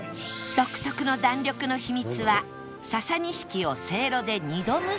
独特の弾力の秘密はササニシキをせいろで２度蒸す事